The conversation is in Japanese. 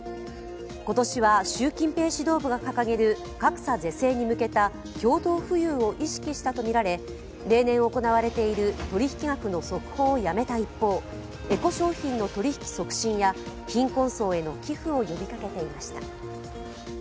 今年は習近平指導部が掲げる格差是正に向けた共同富裕を意識したとみられ、例年行われている取引額の速報をやめた一方、エコ商品の取引促進や貧困層への寄付を呼びかけていました。